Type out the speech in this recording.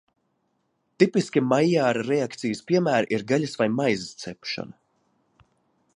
Tipiski Maijāra reakcijas piemēri ir gaļas vai maizes cepšana.